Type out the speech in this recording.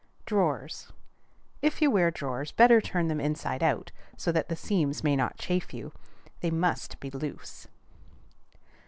DRAWERS. If you wear drawers, better turn them inside out, so that the seams may not chafe you. They must be loose.